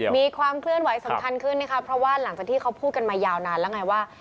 มีความเคลื่อนไหวสำคัญขึ้นนะคะเพราะว่าหลังจากที่เขาพูดกันมายาวนานแล้วไงว่า